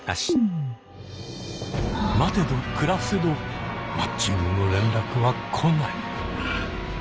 待てど暮らせどマッチングの連絡は来ない。